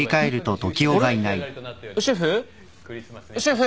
シェフ？